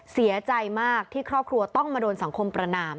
เสียใจมากที่ครอบครัวต้องมาโดนสังคมประนาม